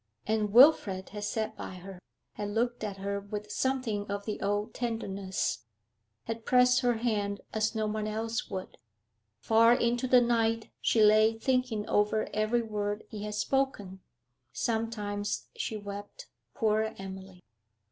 And Wilfrid had sat by her, had looked at her with something of the old tenderness, had pressed her hand as no one else would. Far into the night she lay thinking over every word he had spoken. Sometimes she wept poor Emily!